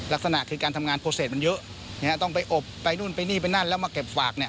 ลักษณะคือการทำงานโปรเศษมันเยอะต้องไปอบไปนู่นไปนี่ไปนั่นแล้วมาเก็บฝากเนี่ย